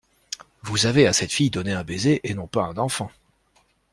Vous avez, à cette fille, donné un baiser et non pas un enfant.